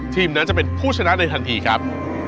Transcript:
ทีมนั้นจะเป็นผู้ชนะในทันทีครับ